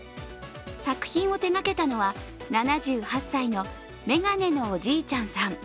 作品を手がけたのは７８歳のメガネのおじいちゃんさん。